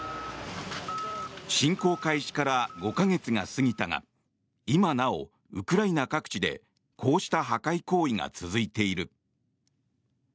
侵攻開始から５か月が過ぎたが今なおウクライナ各地でこうした破壊行為が続いている。